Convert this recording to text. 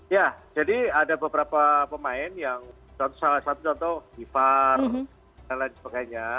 ya jadi ada beberapa pemain yang salah satu contoh givar dan lain sebagainya